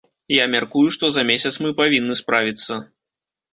Я мяркую, што за месяц мы павінны справіцца.